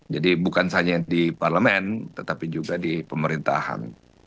bukan saja di parlemen tetapi juga di pemerintahan